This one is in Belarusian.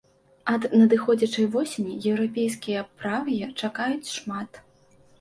Ад надыходзячай восені еўрапейскія правыя чакаюць шмат.